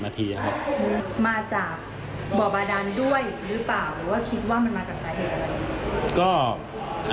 มาจากบ่อบาดานด้วยหรือเปล่าหรือว่าคิดว่ามันมาจากสาเหตุอะไร